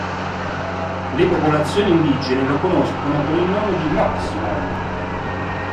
Le popolazioni indigene lo conoscono con il nome di "Moksgm'ol".